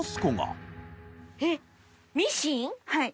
はい。